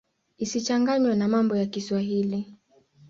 Isichanganywe na mambo ya Kiswahili.